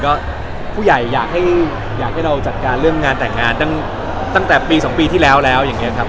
ก็ผู้ใหญ่อยากให้เราจัดการเรื่องงานแต่งงานตั้งแต่ปี๒ปีที่แล้วแล้วอย่างนี้ครับ